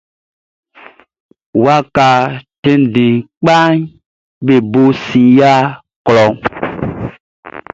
Waka tɛnndɛn kpaʼm be bo sin yia klɔʼn.